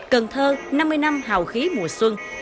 cần thơ năm mươi năm hào khí mùa xuân